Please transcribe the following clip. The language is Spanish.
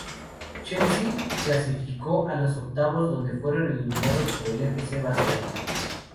Chelsea se clasificó a los octavos, donde fueron eliminados por el F. C. Barcelona.